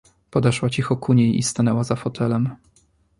Podeszła cicho ku niej i stanęła za fotelem.